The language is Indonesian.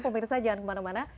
pemirsa jangan kemana mana